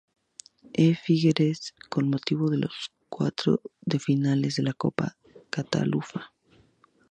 E. Figueres, con motivo de los cuartos de final de la Copa Cataluña.